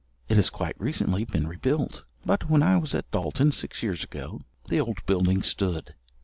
It has quite recently been rebuilt; but when I was at Dalton, six years ago, the old building stood.